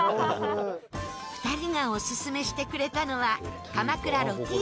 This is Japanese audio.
２人がオススメしてくれたのは。